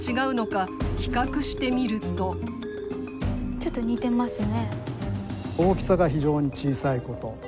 ちょっと似てますね。